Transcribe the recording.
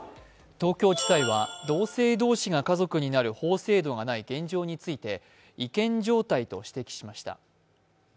東京地裁は同性同士が家族になる法制度がない現状について違憲状態と指摘しました。